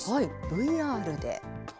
ＶＲで。